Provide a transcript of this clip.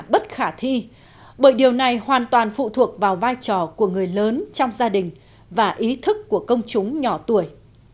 bất khả thi bởi điều này hoàn toàn phụ thuộc vào vai trò của người lớn trong gia đình và ý thức của công chúng nhỏ tuổi